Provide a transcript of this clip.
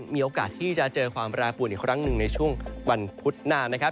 มีโอกาสที่จะเจอความแปรปวนอีกครั้งหนึ่งในช่วงวันพุธหน้านะครับ